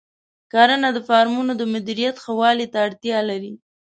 کرنه د فارمونو د مدیریت ښه والي ته اړتیا لري.